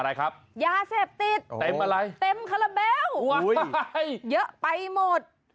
อะไรครับยาเสพติดเต็มอะไรเต็มคาราเบลเยอะไปหมด